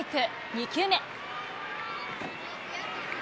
２球目。